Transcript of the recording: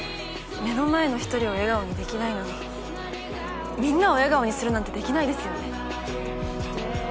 目の前の一人を笑顔にできないのにみんなを笑顔にするなんてできないですよね。